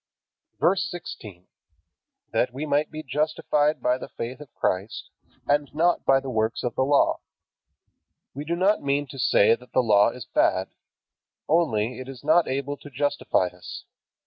VERSE 16. That we might be justified by the faith of Christ, and not by the works of the Law. We do not mean to say that the Law is bad. Only it is not able to justify us.